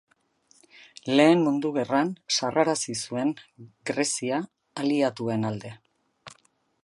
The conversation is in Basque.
Lehen Mundu Gerran sarrarazi zuen Grezia, aliatuen alde.